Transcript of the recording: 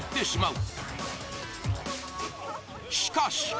しかし。